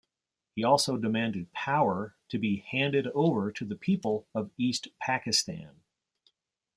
He also demanded power to be handed over to the people of East Pakistan.